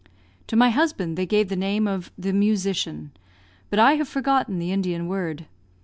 To my husband they gave the name of "the musician," but I have forgotten the Indian word.